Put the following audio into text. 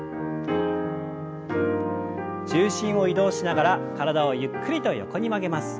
重心を移動しながら体をゆっくりと横に曲げます。